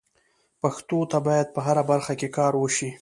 پښتو ته باید په هره برخه کې کار وشي.